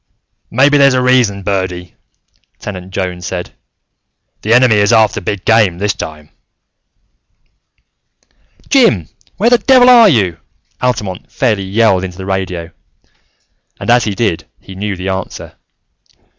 "Maybe there's a reason, Birdy," Tenant Jones said. "The Enemy is after big game, this time." "Jim, where the devil are you?" Altamont fairly yelled into the radio; and as he did, he knew the answer.